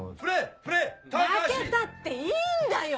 負けたっていいんだよ！